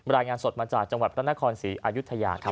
รายงานสดมาจากจังหวัดพระนครศรีอายุทยาครับ